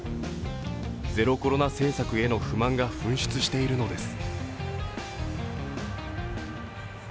ゼロコロナ政策への不満が噴出しているのです。